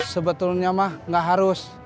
sebetulnya mah nggak harus